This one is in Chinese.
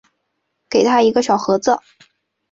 给他一个小盒子